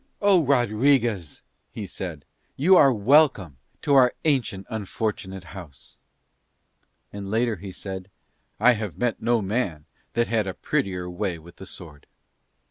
"Oh, Rodriguez," he said, "you are welcome to our ancient, unfortunate house": and later he said, "I have met no man that had a prettier way with the sword."